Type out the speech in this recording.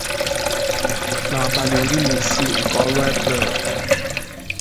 N’abalị iri n’isii nke ọnwa Eprelụ